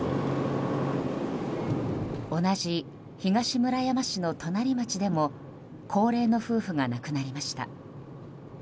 同じ東村山市の隣町でも高齢の夫婦が亡くなりました。